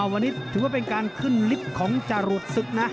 วันนี้ถือว่าเป็นการขึ้นลิฟต์ของจรวดศึกนะ